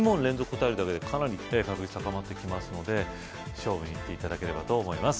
答えるだけでかなり確率高まってきますので勝負にいって頂ければと思います